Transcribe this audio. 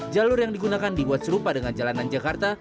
jalur yang digunakan dibuat serupa dengan jalanan jakarta